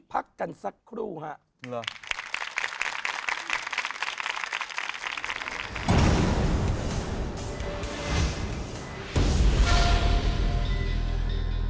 พี่ยังไม่ได้เลิกแต่พี่ยังไม่ได้เลิก